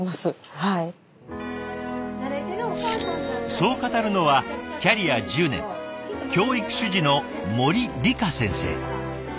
そう語るのはキャリア１０年教育主事の森里香先生。